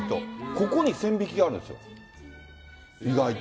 ここに線引きがあるんですよ、意外と。